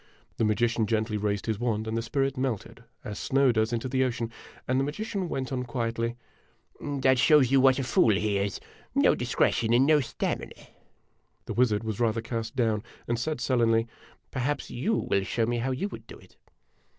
The magician gently raised his wand, and the spirit melted as snow does into the ocean, and the magician went on quietly: "That shows you what a fool he is no discretion and no stamina." The wizard was rather cast down, and said sullenly: " Perhaps you will show me how you would clo it